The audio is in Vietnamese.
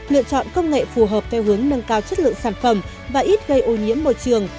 lựa chọn công nghệ phù hợp theo hướng nâng cao chất lượng sản phẩm và ít gây ô nhiễm môi trường